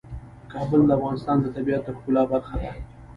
کابل د افغانستان د طبیعت د ښکلا برخه ده.